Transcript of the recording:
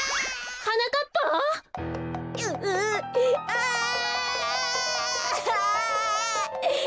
はなかっぱ？ううああ！